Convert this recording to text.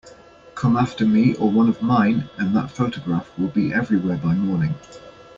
Come after me or one of mine, and that photograph will be everywhere by morning.